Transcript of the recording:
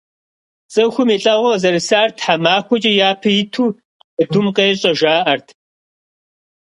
ЦӀыхум и лӀэгъуэ къызэрысар тхьэмахуэкӀэ япэ иту джэдум къещӀэ, жаӀэрт.